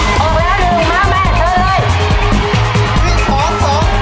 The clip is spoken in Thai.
ออกแล้วหนึ่งมาแม่เถิดเลย